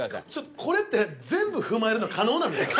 これって全部踏まえるの可能なんですか？